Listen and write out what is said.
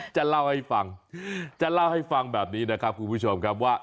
จะเล่าให้ฟังจะเล่าให้ฟังแบบนี้นะครับคุณผู้ชมครับว่า